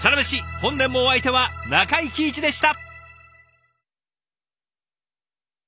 本年もお相手は中井貴一でした。